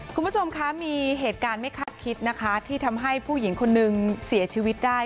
คุณผู้ชมคะมีเหตุการณ์ไม่คาดคิดนะคะที่ทำให้ผู้หญิงคนนึงเสียชีวิตได้